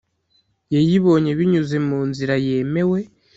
yayibonye binyuze mu nzira yemewe